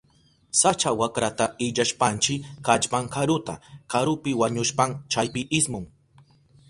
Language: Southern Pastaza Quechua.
Sacha wakrata illapashpanchi kallpan karuta. Karupi wañushpan chaypi ismun.